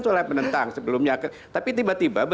soal penentang sebelumnya tapi tiba tiba